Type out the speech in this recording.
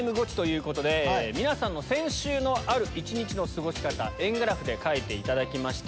皆さんの先週のある一日の過ごし方円グラフで書いていただきました